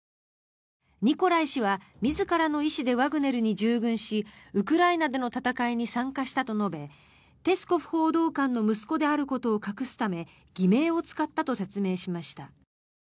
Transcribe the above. ニコライ氏は自らの意思でワグネルに従軍しウクライナでの戦いに参加したと述べペスコフ報道官の息子であることを隠すため偽名を使ったと説明しました。